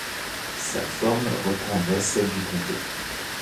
Sa forme reprendrait celle du comté.